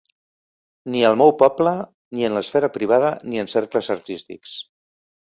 Ni al meu poble, ni en l’esfera privada, ni en cercles artístics.